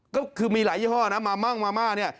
ก็คือมีหลายยี่ห้อนะมามั่งมาม่าเนี่ย